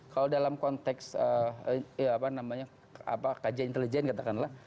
kalau dalam konteks apa namanya kajian intelijen katakanlah